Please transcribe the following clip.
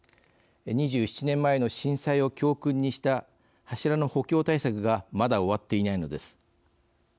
２７年前の震災を教訓にした柱の補強対策がまだ終わっていないのです。